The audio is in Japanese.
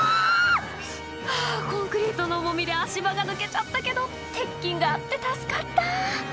「はぁコンクリートの重みで足場が抜けちゃったけど鉄筋があって助かった」